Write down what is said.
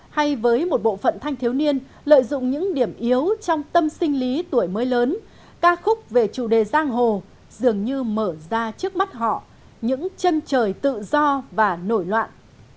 hay với một bộ phận thanh thiếu niên lợi dụng những điểm yếu trong tâm sinh lý tuổi mới lớn ca khúc về chủ đề giang hồ dường như mở ra trước mắt họ những chân trời tự do và nổi loạn